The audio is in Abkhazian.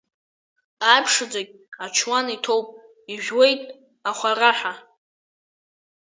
Аԥшаӡагь ачуан иҭоуп, ижәуеит ахәараҳәа.